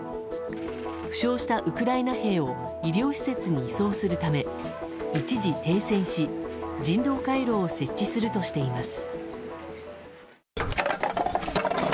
負傷したウクライナ兵を医療施設に移送するため一時、停戦し人道回廊を設置するとしています。